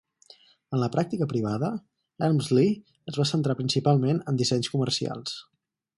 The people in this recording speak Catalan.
En la pràctica privada, Elmslie es va centrar principalment en dissenys comercials.